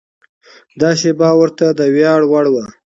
دا شېبه ورته د ویاړ وړ وه.